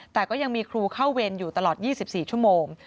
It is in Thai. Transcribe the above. แต่ก็ยังมีครูเข้าเวรอยู่ตลอด๒๔ชั่วโมง